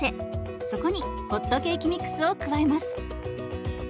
そこにホットケーキミックスを加えます。